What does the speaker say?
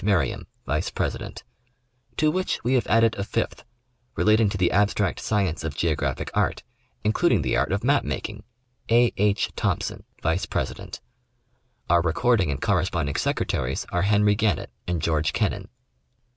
Merriam, vice president; to which we have added a fifth, relating to the abstract science of geographic art, including the art of map making etc., A. H. Thompson, vice president ; our recording and corresponding secretaries are Henry Gannett and George Kennan.